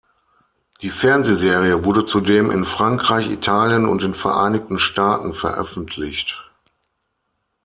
Die Fernsehserie wurde zudem in Frankreich, Italien und den Vereinigten Staaten veröffentlicht.